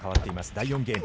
第４ゲーム。